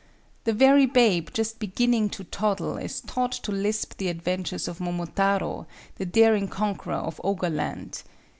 The very babe just beginning to toddle is taught to lisp the adventures of Momotaro, the daring conqueror of ogre land.